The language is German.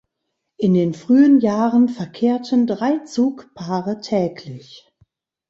In den frühen Jahren verkehrten drei Zugpaare täglich.